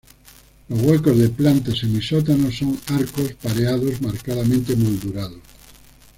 Los huecos de planta semisótano son arcos pareados marcadamente moldurados.